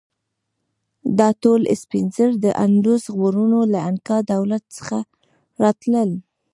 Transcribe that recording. دا ټول سپین زر د اندوس غرونو له انکا دولت څخه راتلل.